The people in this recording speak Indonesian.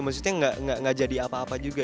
maksudnya nggak jadi apa apa juga